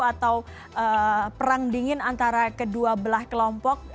atau perang dingin antara kedua belah kelompok